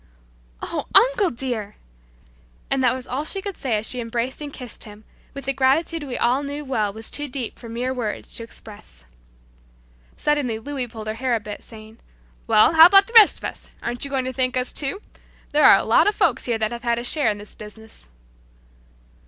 "Oh, uncle dear!" and that was all she could say as she embraced and kissed him with a gratitude we all knew well was too deep for mere words to express. Suddenly Louis pulled her hair a bit, saying, "Well, how about the rest of us. Aren't you going to thank us too? There are a lot of folks here that have had a share in this business."